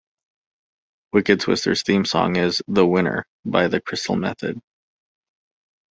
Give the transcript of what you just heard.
Wicked Twister's theme song is "The Winner" by the Crystal Method.